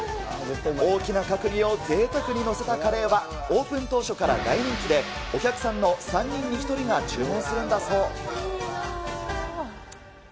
大きな角煮をぜいたくに載せたカレーは、オープン当初から大人気で、お客さんの３人に１人が注文するんだそう。